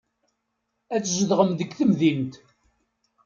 Ad tzedɣem deg temdint.